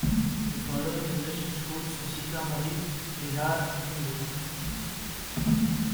The following is a list of Schools in Sitamarhi, Bihar, India.